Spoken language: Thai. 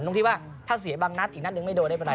ตรงที่ว่าถ้าเสียบางนัดอีกนัดหนึ่งไม่โดนไม่เป็นไร